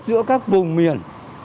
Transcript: giữa các vùng miền